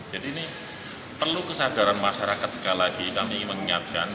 jadi ini perlu kesadaran masyarakat sekali lagi kami mengingatkan